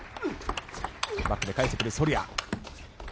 バックで返してくるソルヤ。